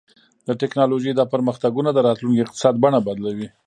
د ټیکنالوژۍ دا پرمختګونه د راتلونکي اقتصاد بڼه بدلوي.